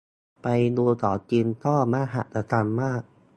ไปดูของจริงก็มหัศจรรย์มาก